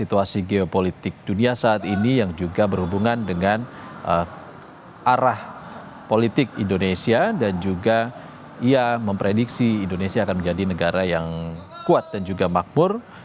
situasi geopolitik dunia saat ini yang juga berhubungan dengan arah politik indonesia dan juga ia memprediksi indonesia akan menjadi negara yang kuat dan juga makmur